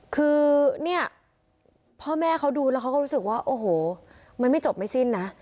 คือเนี่ยพ่อแม่เขาดูแล้วเขาก็รู้สึกว่าโอ้โหมันไม่จบไม่สิ้นนะ